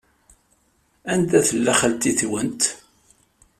Anda tella xalti-twent?